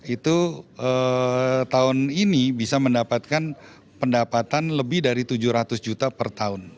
itu tahun ini bisa mendapatkan pendapatan lebih dari tujuh ratus juta per tahun